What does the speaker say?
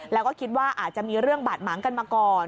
แล้วก็คิดว่าอาจจะมีเรื่องบาดหมางกันมาก่อน